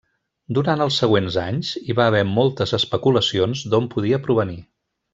Durant els següents anys hi va haver moltes especulacions d'on podia provenir.